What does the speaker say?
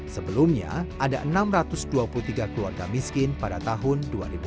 sebelumnya ada enam ratus dua puluh tiga keluarga miskin pada tahun dua ribu dua puluh